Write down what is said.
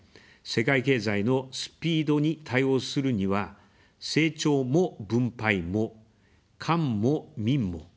世界経済のスピードに対応するには「成長も分配も」「官も民も」